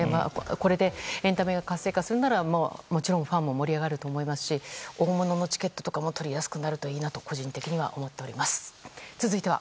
これでエンタメが活性化するならもちろんファンも盛り上がると思うし、大物のチケットが取りやすくなると個人的にいいなと思っています。